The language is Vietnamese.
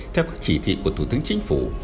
theo các chỉ thị của thủ tướng chính phủ